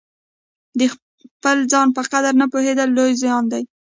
د خپل ځان په قدر نه پوهېدل لوی زیان دی.